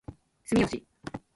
住吉